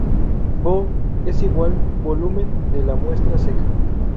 Vo= Volumen de la muestra seca.